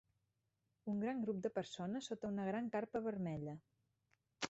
Un gran grup de persones sota una gran carpa vermella.